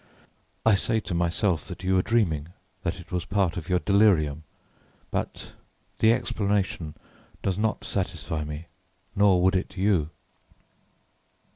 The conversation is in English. I say to myself that you were dreaming, that it was part of your delirium, but the explanation does not satisfy me, nor would it you."